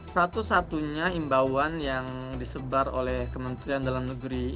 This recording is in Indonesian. satu satunya imbauan yang disebar oleh kementerian dalam negeri